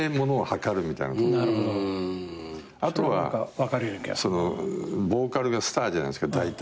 あとはボーカルがスターじゃないですかだいたい。